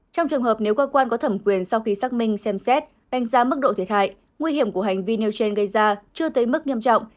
trong trường hợp nếu cơ quan có thẩm quyền sau khi xác minh xem xét đánh giá mức độ thiệt hại nguy hiểm của hành vi nêu trên gây ra chưa tới mức nghiêm trọng